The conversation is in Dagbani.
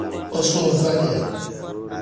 O suhu valiya.